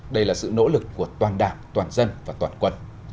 đây là sự nỗ lực của toàn đảng toàn dân và toàn quân